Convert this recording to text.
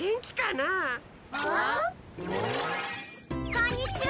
こんにちは。